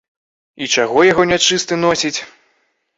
І чаго яго нячысты носіць?